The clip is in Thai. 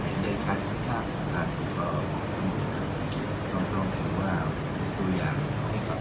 เราก็คิดว่ามีบ้างมีบ้างเพราะคนเราก็เป็นหาคนอย่างนี้ก็ยากนะครับ